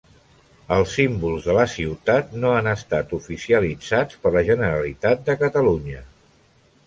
Els símbols de la ciutat no han estat oficialitzats per la Generalitat de Catalunya.